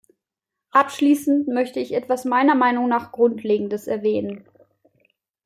Abschließend möchte ich etwas meiner Meinung nach Grundlegendes erwähnen.